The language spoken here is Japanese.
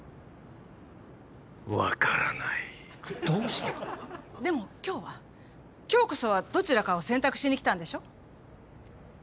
どうして？でも今日は今日こそはどちらかを選択しに来たんでしょう？